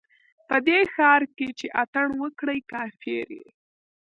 په دې ښار کښې چې اتڼ وکړې، کافر يې